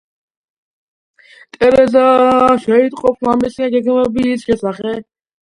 ტერეზა შეიტყობს მამის გეგმების შესახებ და მამას მოსთხოვს ყველა საიდუმლოს განხილვას, უპირობოდ.